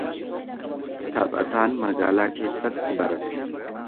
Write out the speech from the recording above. Taphataan magaalaa keessatti barata.